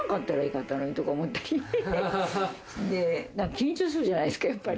緊張するじゃないですかやっぱり。